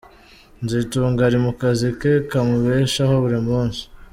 Nzitunga ari mu kazi ke kamubeshaho buri munsi.